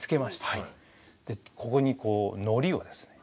ここにこうのりをですね